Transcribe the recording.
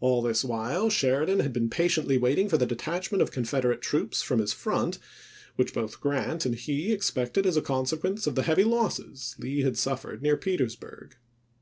All this while Sheridan had been patiently waiting for the detachment of Confeder ate troops from his front, which both Grant and he expected as a consequence of the heavy losses Lee had suffered near Petersburg.